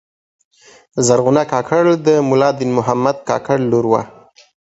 زرغونه کاکړه د ملا دین محمد کاکړ لور وه.